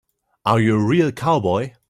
Are you a real cowboy?